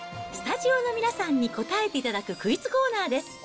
スタジオの皆さんに答えていただくクイズコーナーです。